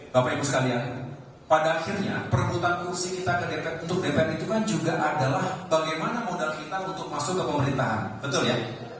bapak ibu sekalian pada akhirnya perebutan fungsi kita untuk dpr itu kan juga adalah bagaimana modal kita untuk masuk ke pemerintahan betul ya